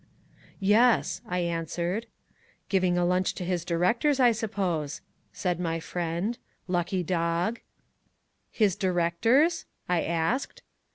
"Yes," I answered. "Giving a lunch to his directors, I suppose," said my friend; "lucky dog." "His directors?" I asked.